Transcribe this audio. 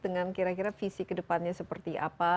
dengan kira kira visi kedepannya seperti apa